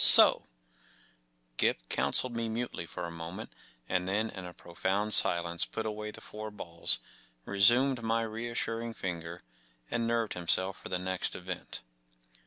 So f n Gip counselled me mutely for a moment, and then in a pro found silence put away the four balls, re¬ sumed my reassuring finger, and nerved himself for the next event.